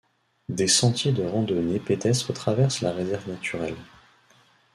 Des sentiers de randonnée pédestre traversent la réserve naturelle.